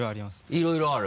いろいろある？